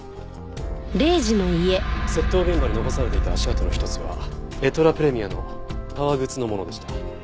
窃盗現場に残されていた足跡の一つはエトラプレミアの革靴のものでした。